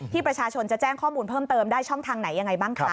ประชาชนจะแจ้งข้อมูลเพิ่มเติมได้ช่องทางไหนยังไงบ้างคะ